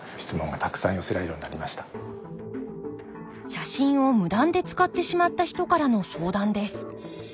写真を無断で使ってしまった人からの相談です。